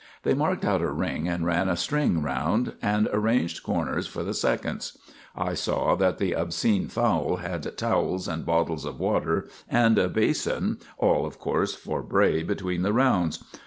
They marked out a ring and ran a string round and arranged corners for the seconds; and I saw that the obscene Fowle had towels and bottles of water and a basin all, of course, for Bray between the rounds.